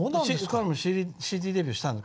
彼もＣＤデビューしたんです